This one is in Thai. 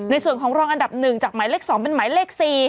ในส่วนของรองอันดับ๑จากหมายเลข๒เป็นหมายเลข๔